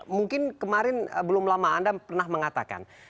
mungkin kemarin belum lama anda pernah mengatakan